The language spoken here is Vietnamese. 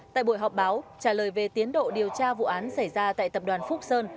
tại buổi họp báo trả lời về tiến độ điều tra vụ án xảy ra tại tập đoàn phúc sơn